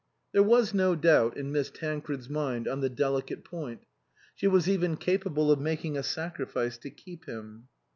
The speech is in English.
There was no doubt in Miss Tancred's mind on the delicate point. She was even capable of making a sacrifice to keep him.